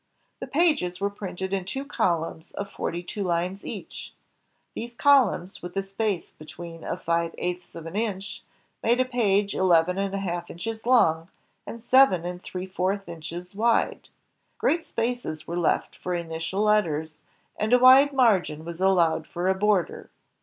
The pages were printed in two colunms of forty two lines each. These colimms, with the space between of five eighths of an inch, made a page eleven and a half inches long and seven and three fourths inches wide. Great spaces were left for initial letters, and a wide margin was allowed for a border.